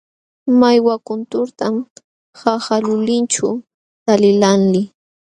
Mallwa kunturtam qaqa lulinćhu taliqlaalii.